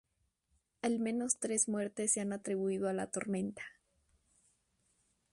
Al menos tres muertes se han atribuido a la tormenta.